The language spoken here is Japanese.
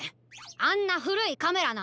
あんなふるいカメラなんて